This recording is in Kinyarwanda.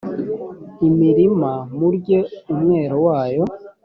imirima murye umwero wayo